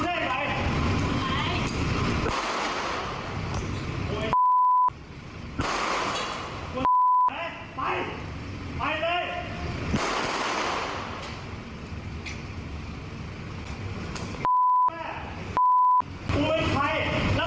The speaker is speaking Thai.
มึงไม่ได้มีเหตุสุดเลยมึงทำได้ยังไงมึงทำกว่ากูได้ยังไง